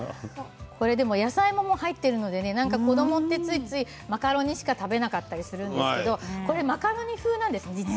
野菜も入ってるので子どもはついついマカロニしか食べなかったりするんですけどこれは実はマカロニ風なんです。